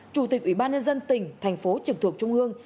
chủ tịch ủy ban nhân dân tỉnh thành phố trực thuộc trung ương